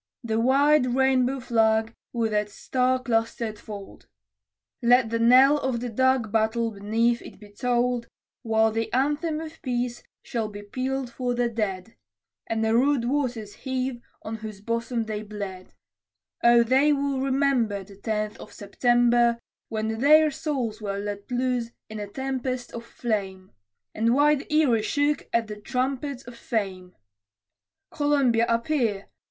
The wide rainbow flag with its star clustered fold! Let the knell of dark Battle beneath it be tolled, While the anthem of Peace shall be pealed for the dead, And the rude waters heave, on whose bosom they bled: Oh, they will remember, The Tenth of September, When their souls were let loose in a tempest of flame, And wide Erie shook at the trumpet of Fame. Columbia, appear!